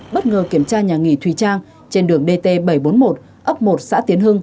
bất ngờ kiểm tra nhà nghỉ thùy trang trên đường dt bảy trăm bốn mươi một ấp một xã tiến hưng